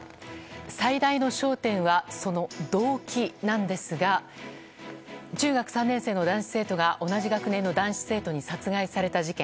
最大の焦点はその動機なんですが中学３年生の男子生徒が同じ学年の男子生徒に殺害された事件。